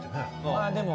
まあでも。